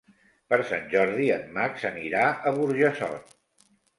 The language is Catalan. Per Sant Jordi en Max anirà a Burjassot.